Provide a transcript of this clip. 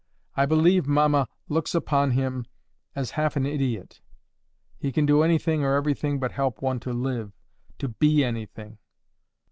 I believe mamma looks upon him as half an idiot. He can do anything or everything but help one to live, to BE anything.